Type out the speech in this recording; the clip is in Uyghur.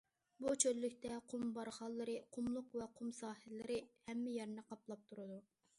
بۇ چۆللۈكتە قۇم بارخانلىرى، قۇملۇق ۋە قۇم ساھىللىرى ھەممە يەرنى قاپلاپ تۇرىدۇ.